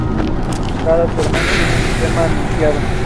Cada sermón tiene un tema anunciado.